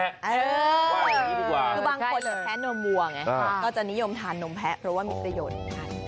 คือบางคนแค่นมวัวไงก็จะนิยมทานนมแพ้เพราะว่ามีประโยชน์ทานนมแพ้